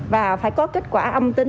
và phải có kết quả âm tính